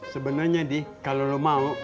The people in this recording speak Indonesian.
sebenernya dih kalau lo mau